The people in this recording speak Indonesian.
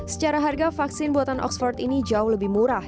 secara harga vaksin buatan oxford ini jauh lebih murah